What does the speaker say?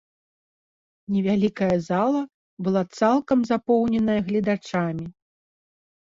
Невялікая зала была цалкам запоўненая гледачамі.